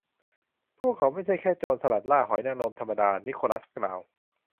พวกเขาไม่ใช่แค่ โจรสลัดล่าหอยนางรมธรรมดา นิโคลัสกล่าว